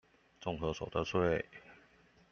綜合所得稅